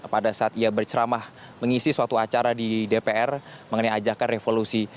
pada saat ia berceramah mengisi suatu acara di dpr mengenai ajakan revolusi